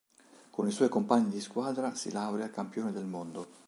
Con i suoi compagni di squadra si laurea campione del mondo.